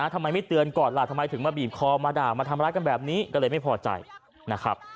ทำไมไม่เตือนก่อนล่ะทำไมถึงมาบีบคอมาด่ามาทำร้ายกันแบบนี้ก็เลยไม่พอใจนะครับ